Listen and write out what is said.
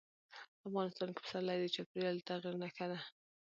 افغانستان کې پسرلی د چاپېریال د تغیر نښه ده.